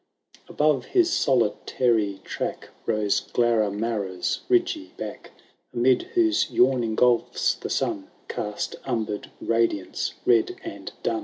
Ahove his solitary track Rose 01aramara*B ridgy back. Amid whose yawning golfr the sun Cast umbered radiance red and dun.